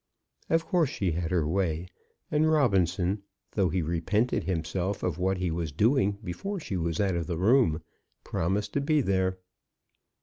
Of course she had her way; and Robinson, though he repented himself of what he was doing before she was out of the room, promised to be there.